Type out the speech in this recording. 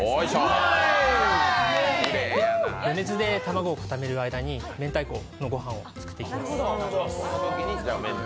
余熱で卵を固める間に明太子のご飯を作っていきます。